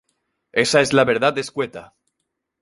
Esa es la verdad escueta.